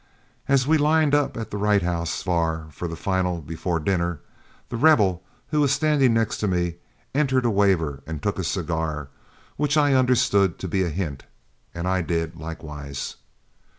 As we lined up at the Wright House bar for the final before dinner, The Rebel, who was standing next to me, entered a waiver and took a cigar, which I understood to be a hint, and I did likewise.